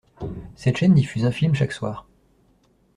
Cette chaîne diffuse un film chaque soir.